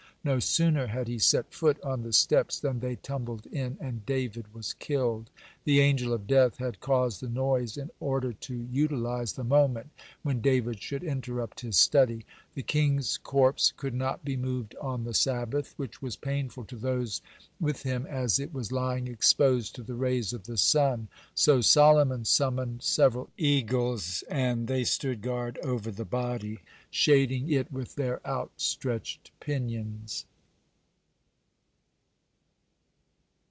No sooner had he set foot on the steps than they tumbled in, and David was killed. The Angel of Death had caused the noise in order to utilize the moment when David should interrupt his study. The king's corpse could not be moved on the Sabbath, which was painful to those with him, as it was lying exposed to the rays of the sun. So Solomon summoned several eagles, and they stood guard over the body, shading it with their outstretched pinions.